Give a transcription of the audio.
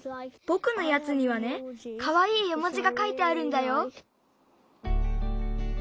ぼくのやつにはねかわいいえ文字がかいてあるんだよ。